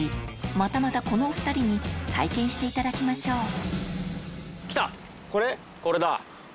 またまたこのお２人に体験していただきましょうお！